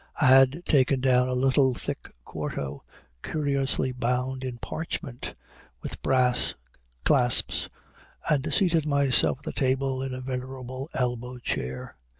I had taken down a little thick quarto, curiously bound in parchment, with brass clasps, and seated myself at the table in a venerable elbow chair.